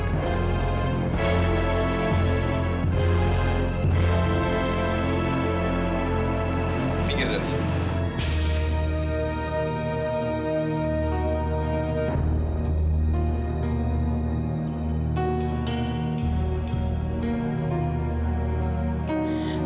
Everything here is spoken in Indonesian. tinggir dari sini